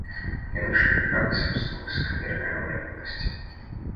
«В минувших веках господствовала высокомерная воля к власти.